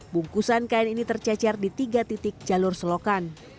bungkusan kain ini tercecer di tiga titik jalur selokan